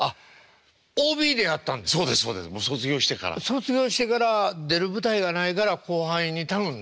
卒業してから出る舞台がないから後輩に頼んで？